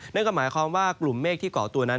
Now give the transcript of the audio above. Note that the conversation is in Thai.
นั่นก็หมายความว่ากลุ่มเมฆที่เกาะตัวนั้น